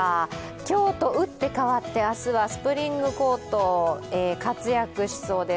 今日と打って変わって明日はスプリングコート活躍しそうです。